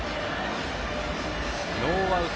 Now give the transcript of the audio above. ノーアウト